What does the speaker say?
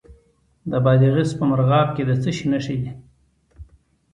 د بادغیس په مرغاب کې د څه شي نښې دي؟